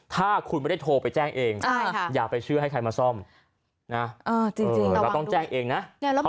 ถ้าคุณไม่ได้โทรไปแจ้งเองอย่าไปเชื่อให้ใครมาซ่อมนะเราต้องแจ้งเองนะ